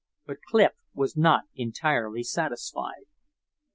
But still Clif was not entirely satisfied.